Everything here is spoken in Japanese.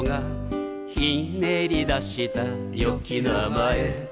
「ひねり出したよき名前」